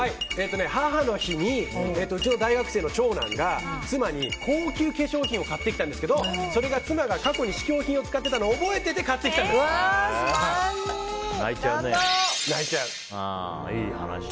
母の日にうちの大学生の長男が妻に高級化粧品を買ってきたんですけどそれが妻が過去に試供品を使ってたのを覚えてて泣いちゃうね。